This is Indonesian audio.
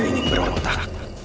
ketika mereka menemukan tuhan